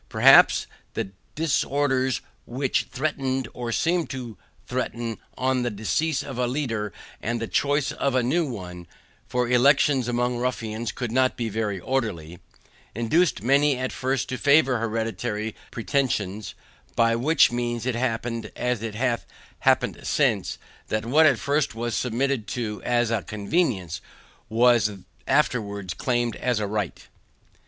Perhaps the disorders which threatened, or seemed to threaten, on the decease of a leader and the choice of a new one (for elections among ruffians could not be very orderly) induced many at first to favor hereditary pretensions; by which means it happened, as it hath happened since, that what at first was submitted to as a convenience, was afterwards claimed as a right.